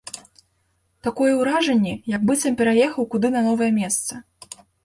Такое ўражанне, як быццам пераехаў куды на новае месца.